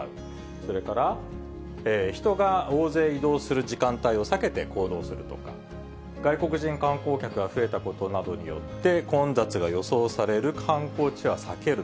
それから、人が大勢移動する時間帯を避けて行動するとか、外国人観光客などが増えたことなどによって、混雑が予想される観光地は避ける。